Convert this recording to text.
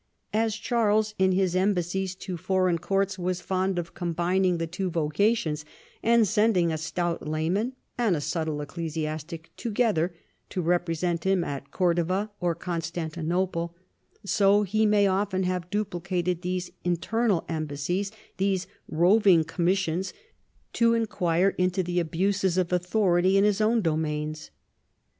As Charles, in his embassies to foreign * Sixty golden solidi =$307.20. 324 CHARLEMAGNE. courts, was fond of combining the two vocations, and sending a stout layman and a subtle ecclesiastic together to represent him at Cordova or Constan tinople, so he may often have duplicated these internal embassies, these roving commissions, to inquire into the abuses of authority in his own domains.